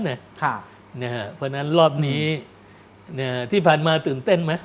เพราะฉะนั้นรอบนี้ที่ผ่านมาตื่นเต้นไหม